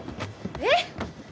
えっ？